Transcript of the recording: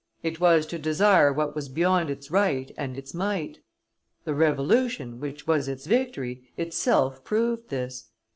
It was to desire what was beyond its right and its might; the Revolution, which was its victory, itself proved this.